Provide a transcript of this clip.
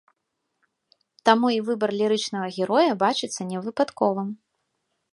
Таму і выбар лірычнага героя бачыцца невыпадковым.